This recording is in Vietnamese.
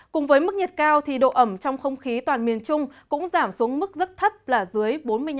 cùng với mức nhiệt cao thì độ ẩm trong không khí toàn miền trung cũng giảm xuống mức rất thấp là dưới bốn mươi năm